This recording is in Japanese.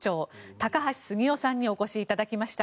高橋杉雄さんにお越しいただきました。